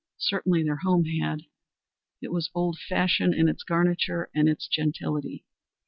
Certainly their home had. It was old fashioned in its garniture and its gentility.